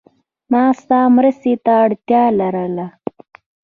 ما ستا مرستی ته اړتیا لرله.